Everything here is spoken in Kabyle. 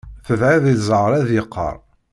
Tedɛiḍ i zzheṛ ad yeqqaṛ.